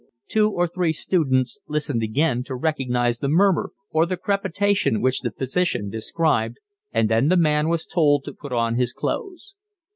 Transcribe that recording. Two or three students listened again to recognise the murmur or the crepitation which the physician described, and then the man was told to put on his clothes.